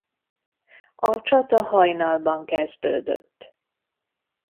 A csata hajnalban kezdődött.